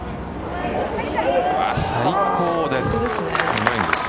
最高です。